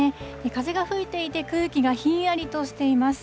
風が吹いていて、空気がひんやりとしています。